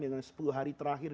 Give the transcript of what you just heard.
yang adalah sepuluh hari terakhir